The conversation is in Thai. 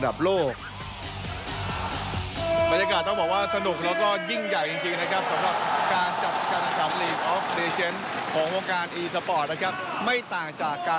กันในส่วนหนึ่ง